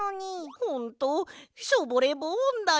ほんとショボレボンだよ。